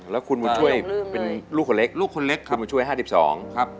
แล้วคุณหมุนช่วยเป็นลูกคนเล็กคุณหมุนช่วย๕๒ครับแล้วคุณหมุนช่วยเป็นลูกคนเล็กคุณหมุนช่วย๕๒ครับ